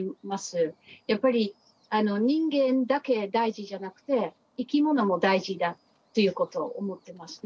やっぱり人間だけ大事じゃなくていきものも大事だということを思ってますね。